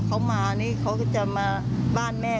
เขามานี่เขาก็จะมาบ้านแม่